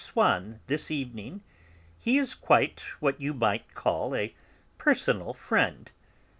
Swann this evening? He is quite what you might call a personal friend..."